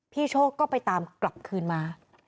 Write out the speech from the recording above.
โชคก็ไปตามกลับคืนมา